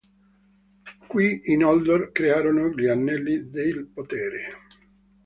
Qui i Noldor crearono gli Anelli del Potere.